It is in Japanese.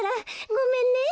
ごめんね。